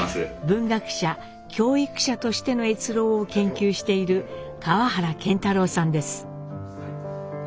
文学者教育者としての越郎を研究している川原健太郎さんです。